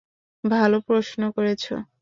ভালো প্রশ্ন করেছ।